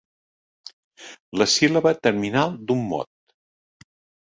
La síl·laba terminal d'un mot.